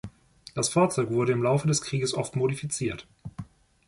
Das Fahrzeug wurde im Laufe des Krieges oft modifiziert.